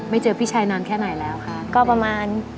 ไม่เจอพี่ชายนานแค่ไหนแล้วค่ะ